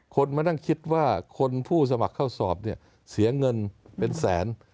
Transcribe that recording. คนมานั่งคิดว่าคนผู้สมัครเข้าสอบเนี่ยเสียเงินเป็นแสน